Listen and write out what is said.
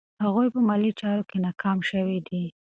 هغوی په مالي چارو کې ناکام شوي دي.